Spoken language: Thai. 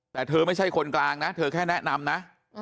แต่เธอไม่ใช่คนกลางนะเธอแค่แนะนำนะ